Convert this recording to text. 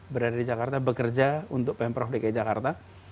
berada di jakarta bekerja untuk pemprov dki jakarta